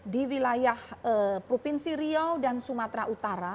di wilayah provinsi riau dan sumatera utara